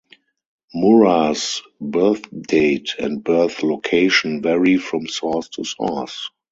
Murrah's birth date and birth location vary from source to source.